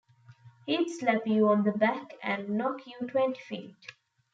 He'd slap you on the back and knock you twenty feet.